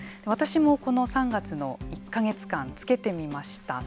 私も、この３月の１か月間付けてみました。